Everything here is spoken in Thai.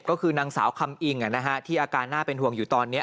ก็คือนางสาวคำอิงที่อาการน่าเป็นห่วงอยู่ตอนนี้